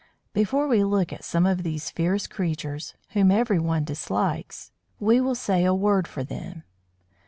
Before we look at some of these fierce creatures, whom everyone dislikes, we will say a word for them.